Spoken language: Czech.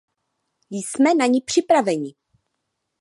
Jsme na ni připraveni.